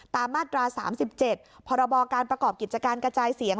มาตรา๓๗พรบการประกอบกิจการกระจายเสียง